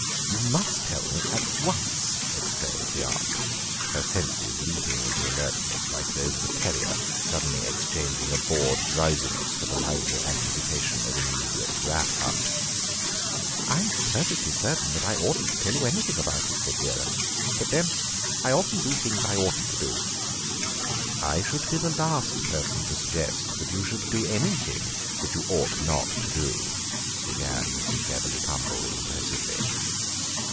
"You must tell me at once," exclaimed the aunt, her senses leaping into alertness like those of a terrier suddenly exchanging a bored drowsiness for the lively anticipation of an immediate rat hunt. "I'm perfectly certain that I oughtn't to tell you anything about it," said Vera, "but, then, I often do things that I oughtn't to do." "I should be the last person to suggest that you should do anything that you ought not to do to—" began Mrs. Bebberly Cumble impressively.